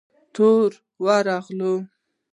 توره را ولېږل.